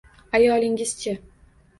Ayolingiz-chi?